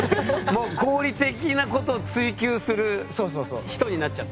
もう合理的なことを追求する人になっちゃった。